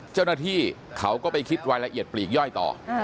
เจ้าหน้าที่เขาก็ไปคิดรายละเอียดปลีกย่อยต่อ